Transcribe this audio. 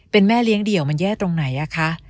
เป็นแม่เลี้ยงเดี่ยวมันแย่ตรงไหนอะคะ